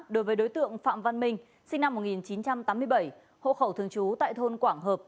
đối với đối tượng phạm văn minh sinh năm một nghìn chín trăm tám mươi bảy hộ khẩu thường trú tại thôn quảng hợp